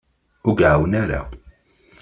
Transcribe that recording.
Ur iɛawen ara.